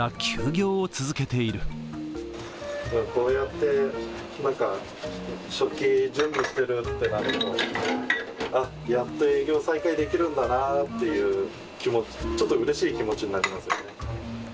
こうやってなんか、食器準備してると、あっ、やっと営業再開できるんだなっていう気持ち、ちょっとうれしい気持ちになりますよね。